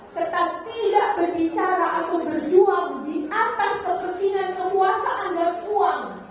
serta tidak berbicara atau berjuang di atas kepentingan kekuasaan dan uang